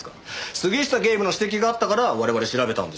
杉下警部の指摘があったから我々調べたんですよ。